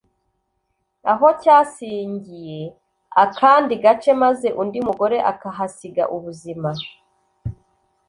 aho cyasingiye akandi gace maze undi mugore akahasiga ubuzima